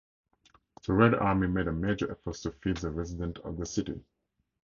The Red Army made a major effort to feed the residents of the city.